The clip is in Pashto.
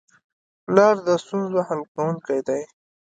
پلار د ستونزو حل کوونکی دی.